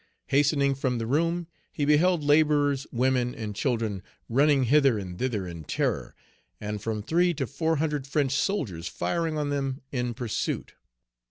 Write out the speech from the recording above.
Hastening from the room, he beheld laborers, women, and children, running hither and thither in terror, and from three to four hundred French soldiers firing on them in pursuit.